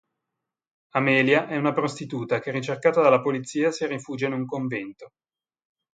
Amelia è una prostituta che ricercata dalla polizia si rifugia in un convento.